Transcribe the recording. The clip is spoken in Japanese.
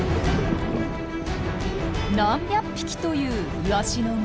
何百匹というイワシの群れ。